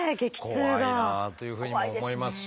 怖いなというふうにも思いますし。